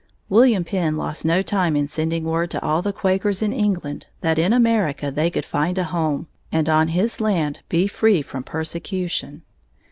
William Penn lost no time in sending word to all the Quakers in England that in America they could find a home and on his land be free from persecution.